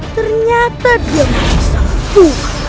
ternyata dia menyesal itu